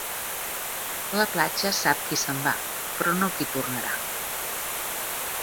La platja sap qui se'n va, però no qui tornarà.